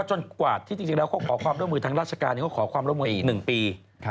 จนกว่าที่จริงแล้วเขาขอความร่วมมือทางราชการเขาขอความร่วมมืออีก๑ปี